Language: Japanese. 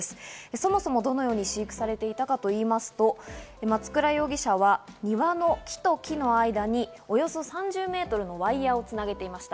そもそもどのように飼育されていたかと言いますと、松倉容疑者は庭の木と木の間におよそ３０メートルのワイヤをつなげていました。